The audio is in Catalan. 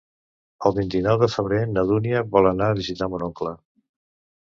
El vint-i-nou de febrer na Dúnia vol anar a visitar mon oncle.